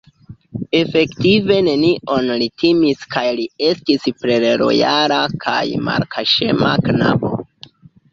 Efektive nenion li timis kaj li estis plej lojala kaj malkaŝema knabo.